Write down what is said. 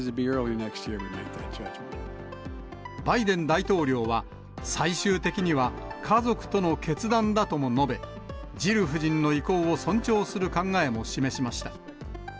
バイデン大統領は、最終的には家族との決断だとも述べ、ジル夫人の意向を尊重する考えも示しました。